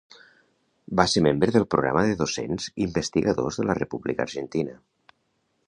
Va ser membre del Programa de Docents Investigadors de la República Argentina.